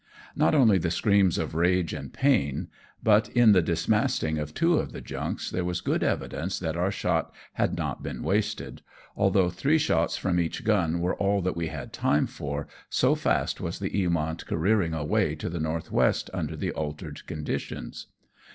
Not only the screams of rage and pain, but in the dismasting of two of the junks, there was good evidence that our shot had not been wasted^ although three shots from each gun were all that we had time for, so fast was the 'Eamont careering away to the north west under the altered conditions.